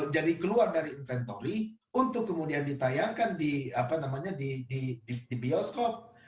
jadi keluar dari inventory untuk kemudian ditayangkan di bioskop